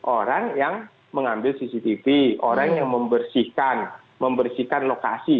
orang yang mengambil cctv orang yang membersihkan membersihkan lokasi